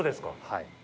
はい。